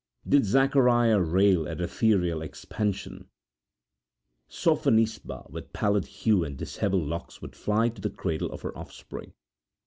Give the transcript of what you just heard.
Did Zacariah rail at ethereal expansion, Sophonisba with pallid hue and dishevelled locks would fly to the cradle of her offspring.